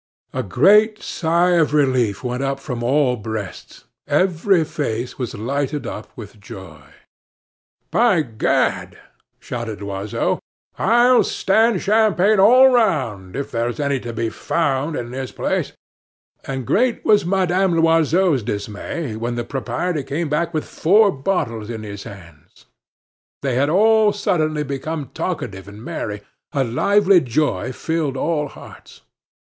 A great sigh of relief went up from all breasts; every face was lighted up with joy. "By Gad!" shouted Loiseau, "I'll stand champagne all round if there's any to be found in this place." And great was Madame Loiseau's dismay when the proprietor came back with four bottles in his hands. They had all suddenly become talkative and merry; a lively joy filled all hearts.